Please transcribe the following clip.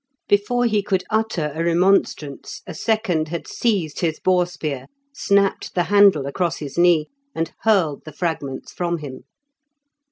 Before he could utter a remonstrance, a second had seized his boar spear, snapped the handle across his knee, and hurled the fragments from him.